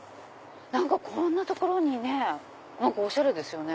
こんな所にねおしゃれですね。